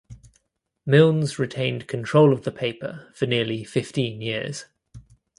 Milnes retained control of the paper for nearly fifteen years.